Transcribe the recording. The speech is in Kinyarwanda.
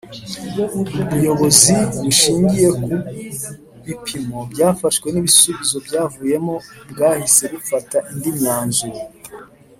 Ubuybozi bushingiye ku bipimo byafashwe nibisubizo byavuyemo bwahise bufata indi myanzuro